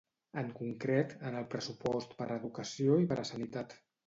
En concret, en el pressupost per a educació i per a sanitat.